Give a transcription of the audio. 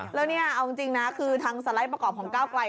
แล้วเนี่ยเอาจริงนะคือทางสไลด์ประกอบของก้าวไกล